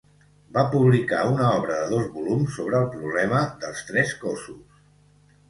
Va publicar una obra de dos volums sobre el problema dels tres cossos.